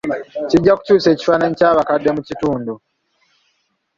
Kijja kukyusa ekifaananyi ky'abakadde mu kitundu.